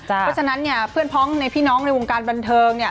เพราะฉะนั้นเนี่ยเพื่อนพ้องในพี่น้องในวงการบันเทิงเนี่ย